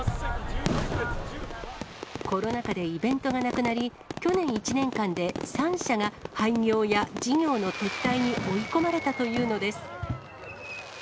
コロナ禍でイベントがなくなり、去年１年間で３社が廃業や事業の撤退に追い込まれたというのです。